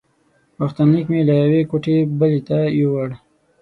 غوښتنلیک مې له یوې کوټې بلې ته یووړ.